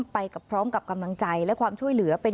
ไปพร้อมกับกำลังใจและความช่วยเหลือเป็น